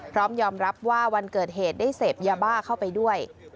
พร้อมยอมรับว่าวันเกิดเหตุได้เสพยาบ้าเข้าไปด้วย